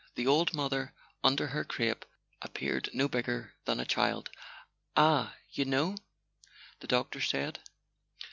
The old mother, under her crape, appeared no bigger than a child. "Ah—you know?" the doctor said.